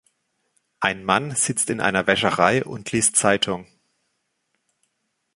Ein Mann sitzt in einer Wäscherei und liest Zeitung.